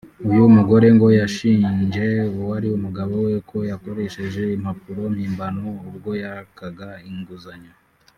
uyu mugore ngo yashinje uwari umugabo we ko yakoresheje impapuro mpimbano ubwo yakaga inguzanyo